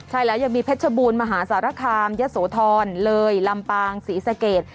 ใช่แล้วยังมีเพชรบูรณ์มหาสารคามยะโสธรเลยลำปางศรีสเกต